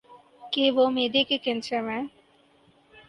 کہ وہ معدے کے کینسر میں